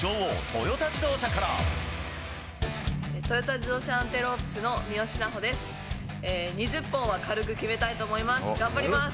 トヨタ自動車アンテロープスの三好南穂です。